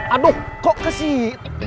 aduh kok kesih